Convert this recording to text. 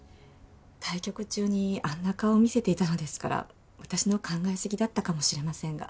対局中にあんな顔を見せていたのですから私の考えすぎだったかもしれませんが。